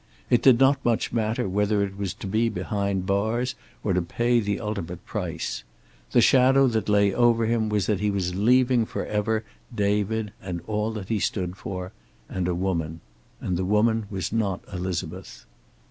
It did not much matter whether it was to be behind bars or to pay the ultimate price. The shadow that lay over him was that he was leaving forever David and all that he stood for, and a woman. And the woman was not Elizabeth.